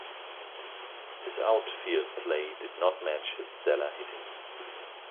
His outfield play did not match his stellar hitting.